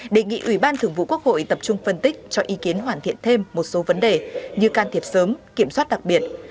đề nghị ủy ban thường vụ quốc hội tập trung phân tích cho ý kiến hoàn thiện thêm một số vấn đề như can thiệp sớm kiểm soát đặc biệt